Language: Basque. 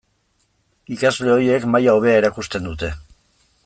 Ikasle horiek maila hobea erakusten dute.